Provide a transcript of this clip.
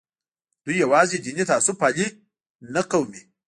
دوی یوازې دیني تعصب پالي نه قومي.